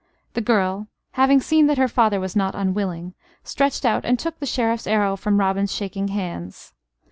The girl, having seen that her father was not unwilling, stretched out and took the Sheriff's arrow from Robin's shaking hands.